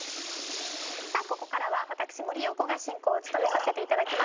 さあここからは私森葉子が進行を務めさせて頂きます。